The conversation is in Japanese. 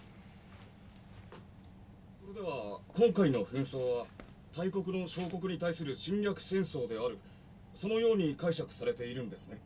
「それでは今回の紛争は大国の小国に対する侵略戦争であるそのように解釈されているんですね？」